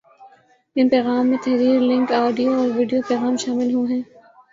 ان پیغام میں تحریر ، لنک ، آڈیو اور ویڈیو پیغام شامل ہو ہیں